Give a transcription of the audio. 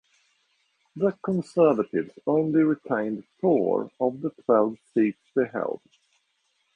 The Conservatives only retained four of the twelve seats they held.